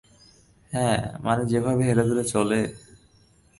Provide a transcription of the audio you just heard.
হ্যাঁ, মানে যেভাবে হেলেদুলে চলে।